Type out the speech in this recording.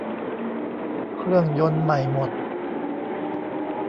เครื่องยนต์ใหม่หมด